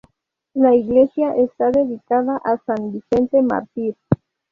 La iglesia está dedicada a san Vicente mártir.